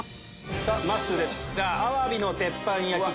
さぁまっすーです。